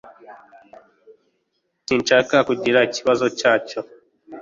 Sinshaka kugira ikibazo cyacyo.